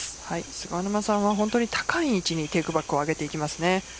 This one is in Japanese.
菅沼さんは高い位置にテークバックを上げていきます。